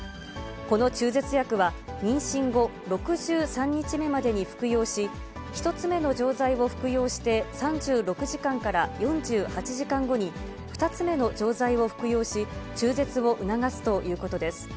この中絶薬は、妊娠後６３日目までに服用し、１つ目の錠剤を服用して、３６時間から４８時間後に、２つ目の錠剤を服用し、中絶を促すということです。